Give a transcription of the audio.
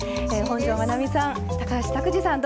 本上まなみさん